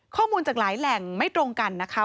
ข้อมูลจากหลายแหล่งไม่ตรงกันนะคะ